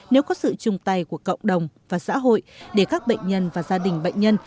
nếu có sự chung tay của cộng đồng và xã hội để các bệnh nhân và gia đình bệnh nhân